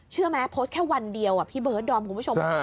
เชื่อไหมโพสต์แค่วันเดียวพี่เบิร์ดดอมคุณผู้ชม